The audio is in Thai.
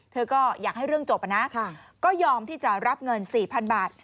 เธอก็อยากให้เรื่องจบอ่ะนะค่ะก็ยอมที่จะรับเงินสี่พันบาท